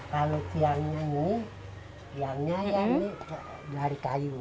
kalau tiangnya ini tiangnya ya ini dari kayu